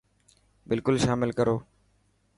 بلڪل شامل ڪرو.